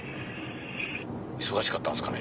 忙しかったんですかね。